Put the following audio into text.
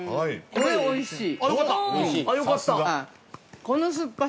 ◆これは、おいしい。